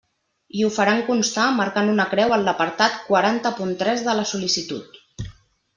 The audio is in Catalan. I ho faran constar marcant una creu en l'apartat quaranta punt tres de la sol·licitud.